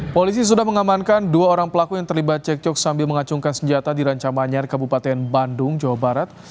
polisi sudah mengamankan dua orang pelaku yang terlibat cekcok sambil mengacungkan senjata di ranca manyar kabupaten bandung jawa barat